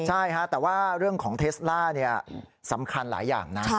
ใช่แต่ว่าเรื่องของเทสล่าสำคัญหลายอย่างนะ